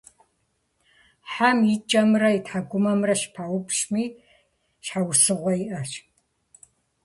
Хьэм и кӀэмрэ и тхьэкӏумэмрэ щӀыпаупщӀми щхьэусыгъуэ иӀэщ.